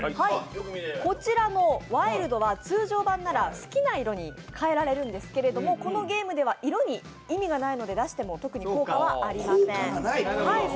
こちらのワイルドは通常版なら好きな色に変えられるんですけどこのゲームでは色に意味がないので出しても特に効果はありません。